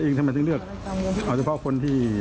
ได้รับการปล่อยตัวมาเมื่อสองสามเดือนก่อนนี้เอง